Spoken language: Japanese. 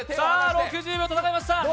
６０秒戦いました。